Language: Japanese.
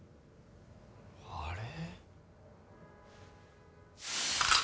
あれ？